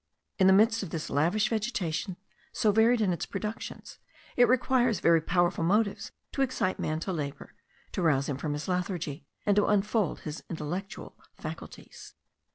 In the midst of this lavish vegetation, so varied in its productions, it requires very powerful motives to excite man to labour, to rouse him from his lethargy, and to unfold his intellectual faculties.